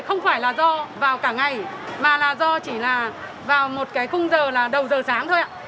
không phải là do vào cả ngày mà là do chỉ là vào một cái khung giờ là đầu giờ sáng thôi ạ